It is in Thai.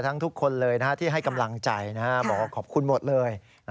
ทั้งทุกคนเลยที่ให้กำลังใจขอบคุณหมดเลย